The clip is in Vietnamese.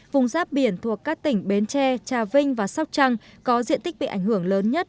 vùng giáp biển thuộc các tỉnh bến tre trà vinh và sóc trăng có diện tích bị ảnh hưởng lớn nhất